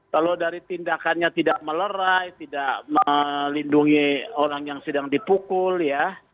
kalau dari tindakannya tidak melerai tidak melindungi orang yang sedang dipukul ya